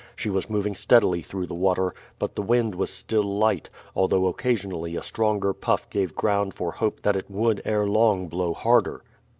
She was moving steadily through the water; but the wind was still light, although occasionally a stronger puff gave ground for hope that it would ere long blow harder.